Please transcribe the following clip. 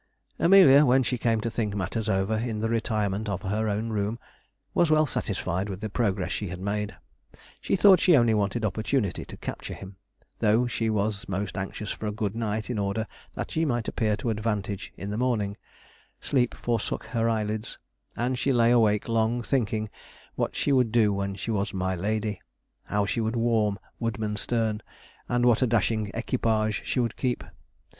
Amelia, when she came to think matters over in the retirement of her own room, was well satisfied with the progress she had made. She thought she only wanted opportunity to capture him. Though she was most anxious for a good night in order that she might appear to advantage in the morning, sleep forsook her eyelids, and she lay awake long thinking what she would do when she was my lady how she would warm Woodmansterne, and what a dashing equipage she would keep.